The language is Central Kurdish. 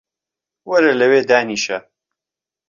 وەرە لەوێ دانیشە